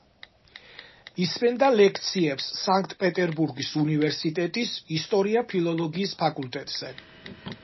ისმენდა ლექციებს სანქტ-პეტერბურგის უნივერსიტეტის ისტორია-ფილოლოგიის ფაკულტეტზე.